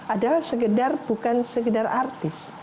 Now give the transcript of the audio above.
adalah sekedar bukan sekedar artis